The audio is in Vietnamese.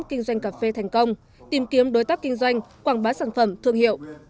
kinh doanh cà phê thành công tìm kiếm đối tác kinh doanh quảng bá sản phẩm thương hiệu